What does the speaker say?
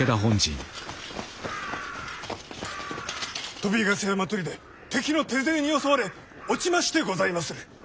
鳶ヶ巣山砦敵の手勢に襲われ落ちましてございまする。